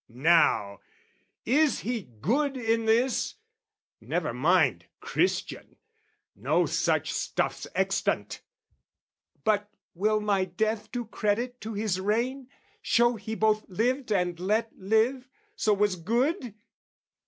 Now, is he good in this, Never mind, Christian, no such stuff's extant, But will my death do credit to his reign, Show he both lived and let live, so was good?